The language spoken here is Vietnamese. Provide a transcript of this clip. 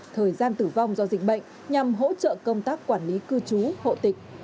thời gian tử vong do dịch bệnh nhằm hỗ trợ công tác quản lý cư trú hộ tịch